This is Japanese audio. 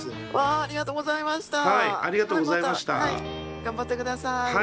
頑張って下さい。